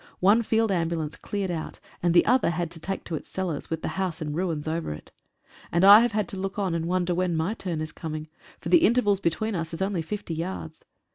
One field ambulance cleared out, and the other had to take to its cellars, with the house in ruins over it. And I have to look on and wonder when my turn is coming, for the interval between us is only fifty yards.